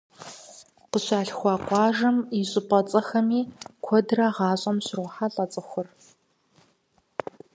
Къыщалъхуа къуажэм и щӀыпӀэцӀэхэми куэдрэ гъащӀэм щрохьэлӀэ цӀыхур.